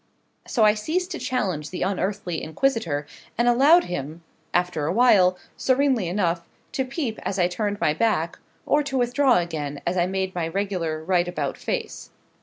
So I ceased to challenge the unearthly inquisitor, and allowed him, after a while, serenely enough, to peep as I turned my back, or to withdraw again as I made my regular right about face.